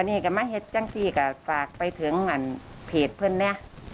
วันนี้ก็ไม่เทศจังสีก่ะฝากไปถึงอันเพจเพื่อนเนี่ย